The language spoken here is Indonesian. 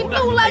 mau itu ulannya